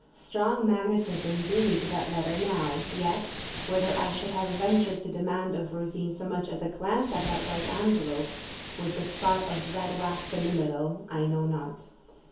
Strong magnetism drew me to that letter now; yet, whether I should have ventured to demand of Rosine so much as a glance at that white envelope, with the spot of red wax in the middle, I know not.